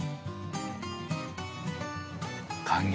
感激。